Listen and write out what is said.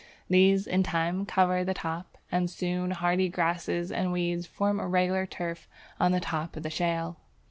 These in time cover the top, and soon hardy grasses and weeds form a regular turf on the top of the shale.